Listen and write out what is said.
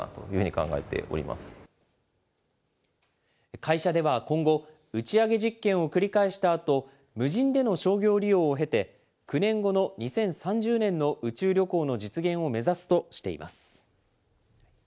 会社では今後、打ち上げ実験を繰り返したあと、無人での商業利用を経て、９年後の２０３０年の宇宙旅行の実現を目指すとしています。